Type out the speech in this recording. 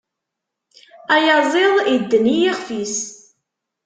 Ayaziḍ idden i yixf-is.